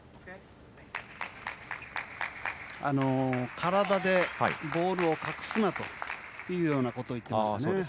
体でボールを隠すなというようなことを言っていますね。